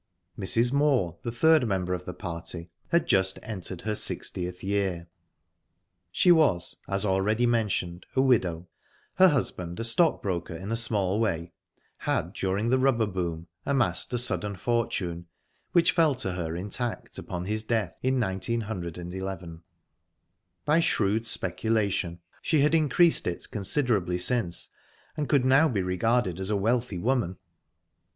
Mrs. Moor, the third member of the party, had just entered her sixtieth year. She was as already mentioned a widow. Her husband, a stockbroker in a small way, had during the rubber boom amassed a sudden fortune, which fell to her intact upon his death in 1911. By shrewd speculation she had increased it considerably since, and could now be regarded as a wealthy woman.